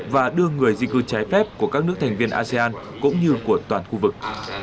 và đưa người di cư trái phép của các nước thành viên asean cũng như của toàn khu vực